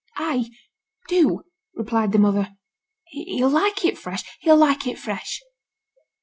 'Ay, do!' replied the mother. 'He'll like it fresh he'll like it fresh.'